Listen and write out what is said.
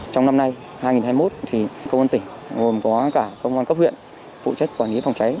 trong năm nay hai nghìn hai mươi một công an tỉnh gồm có cả công an cấp huyện phụ trách quản lý phòng cháy